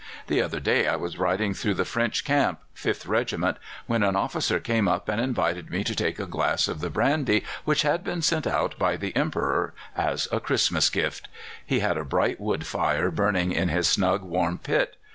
The other day I was riding through the French camp, 5th Regiment, when an officer came up and invited me to take a glass of the brandy which had been sent out by the Emperor as a Christmas gift. He had a bright wood fire burning in his snug warm pit.